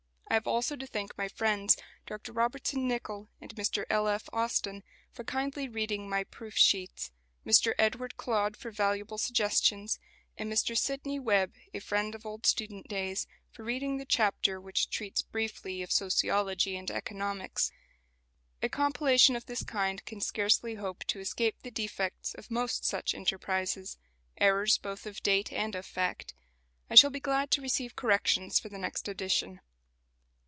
I have also to thank my friends, Dr Robertson Nicoll and Mr L. F. Austin, for kindly reading my proof sheets, Mr Edward Clodd for valuable suggestions, and Mr Sydney Webb, a friend of old student days, for reading the chapter which treats briefly of sociology and economics. A compilation of this kind can scarcely hope to escape the defects of most such enterprises errors both of date and of fact. I shall be glad to receive corrections for the next edition.